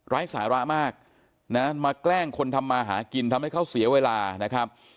สาระมากนะมาแกล้งคนทำมาหากินทำให้เขาเสียเวลานะครับ